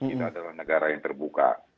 itu adalah negara yang terbuka